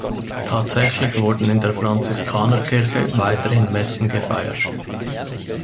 Tatsächlich wurden in der Franziskanerkirche weiterhin Messen gefeiert.